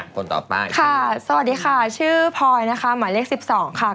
สวัสดีค่ะชื่อพลอยนะคะหมายเลข๑๒ค่ะ